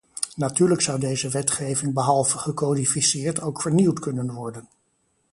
Natuurlijk zou deze wetgeving behalve gecodificeerd ook vernieuwd kunnen worden.